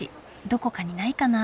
どこかにないかな？